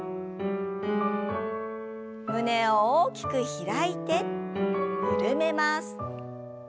胸を大きく開いて緩めます。